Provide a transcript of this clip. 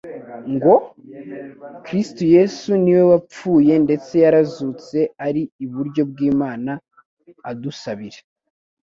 ngo :« Kristo Yesu ni we wapfuye ndetse yarazutse ari iburyo bw'Imana adusabira.'»